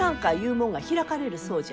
もんが開かれるそうじゃ。